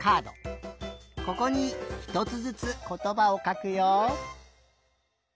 ここにひとつずつことばをかくよ。